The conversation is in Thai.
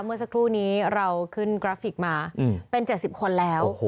เมื่อสักครู่นี้เราขึ้นกราฟิกมาเป็น๗๐คนแล้ว